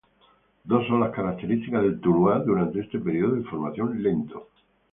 Dos son las características de Tuluá durante este periodo de formación lento.